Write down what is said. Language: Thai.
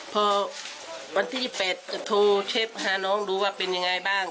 พอวันที่ยิบจิตโทรเชฟหาหนูดูว่าเป็นอย่างไรบ้าง